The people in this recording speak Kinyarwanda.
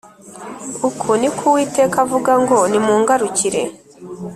uku ni ko uwiteka avuga ngo nimungarukire